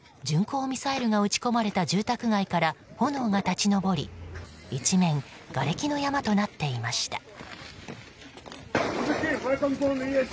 巡航ミサイルが撃ち込まれた住宅街から炎が立ち上り一面、がれきの山となっていました。